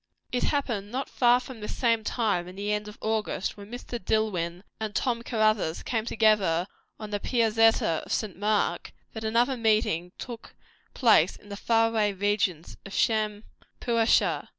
It happened not far from this same time in the end of August, when Mr. Dillwyn and Tom Caruthers came together on the Piazzetta of St. Mark, that another meeting took place in the far away regions of Shampuashuh.